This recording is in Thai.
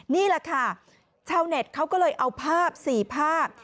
นี่แหละค่ะชาวเน็ตเขาก็เลยเอาภาพ๔ภาพ